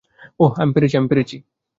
ওহ, আমি পেরেছি, আমি পেরেছি।